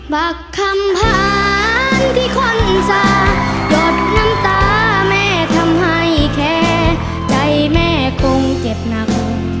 บักคำผ่านที่คนจะหยดน้ำตาแม่ทำให้แค่ใจแม่คงเจ็บหนัก